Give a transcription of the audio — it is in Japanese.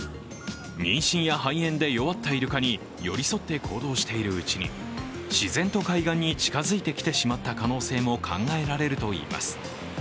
妊娠や肺炎で弱ったイルカに寄り添って行動しているうちに自然と海岸に近づいてきてしまった可能性も考えられるといいます。